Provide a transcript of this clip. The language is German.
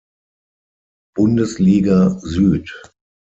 Bundesliga Süd.